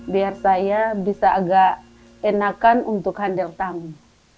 biar saya bisa agak enakan untuk handel tangan